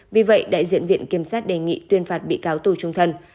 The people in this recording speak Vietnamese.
vì vậy đại diện viện kiểm sát đề nghị tuyên phạt bị cáo tù trung thân